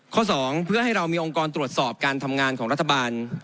๒เพื่อให้เรามีองค์กรตรวจสอบการทำงานของรัฐบาล